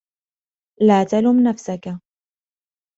لا تلُم نفسك.